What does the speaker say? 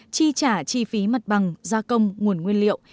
chi trả chi phí mặt bằng gia công nguồn nguyên liệu